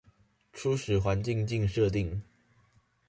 初始環境境設定